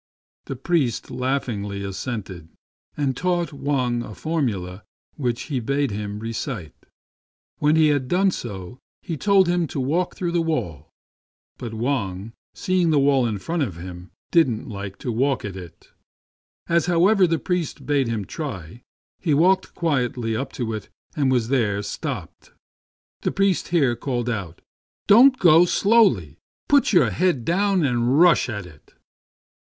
The priest laughingly assented, and taught Wang a formula which he bade him recite. When he had FROM A CHINESE STUDIO. 21 done so he told him to walk through the wall; but Wang, seeing the wall in front of him, didn't like to walk at it. As, however, the priest bade him try, he walked quietly up to it and was there stopped. The priest here called out, " Don't go so slowly. Put your head down and rush at it."